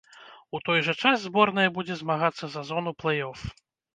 У той жа час зборная будзе змагацца за зону плэй-оф.